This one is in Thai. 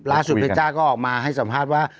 เพชจ้าก็ออกมาให้สัมภาษณ์ว่า